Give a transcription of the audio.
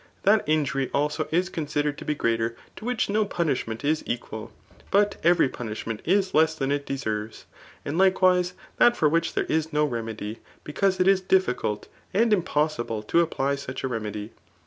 That injury also is considered as greater, to which no punishment b equal, but every punishment is less than it deserves. And likewise that for which there is no remedy ; because it is difficult and impossible to apply such a remedy.